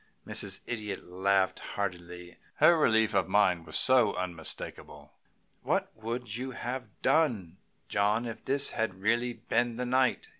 Mrs. Idiot laughed heartily. Her relief of mind was unmistakable. "What would you have done, John, if this had really been the night?"